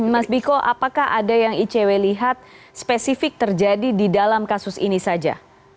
mas biko apakah ada yang icw lihat spesifik terjadi di dalam kasus ini saja